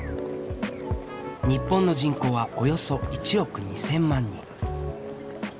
日本の人口はおよそ１億２，０００万人。